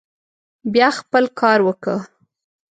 بيا خپل کار وکه.